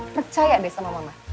percaya deh sama mama